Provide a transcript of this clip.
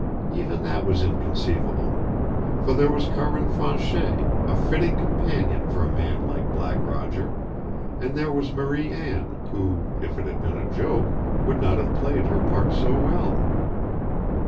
Even that was inconceivable. For there was Carmin Fanchet, a fitting companion for a man like Black Roger, and there was Marie Anne, who, if it had been a joke, would not have played her part so well.